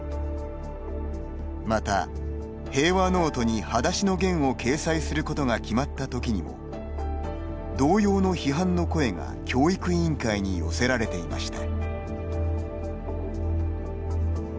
また、平和ノートに「はだしのゲン」を掲載することが決まったときにも同様の批判の声が教育委員会に寄せられていました。